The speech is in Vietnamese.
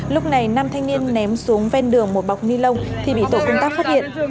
lúc này nam thanh niên ném xuống ven đường một bọc ni lông thì bị tổ công tác phát hiện